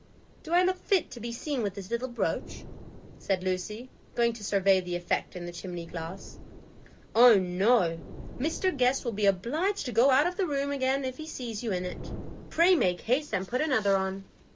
"Do I look fit to be seen with this little brooch?" said Lucy, going to survey the effect in the chimney glass. "Oh no, Mr Guest will be obliged to go out of the room again if he sees you in it. Pray make haste and put another on."